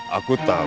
tapi aku tidak tahu